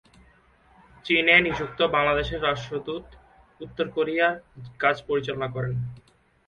চীনে নিযুক্ত বাংলাদেশের রাষ্ট্রদূত উত্তর কোরিয়ার কাজ পরিচালনা করেন।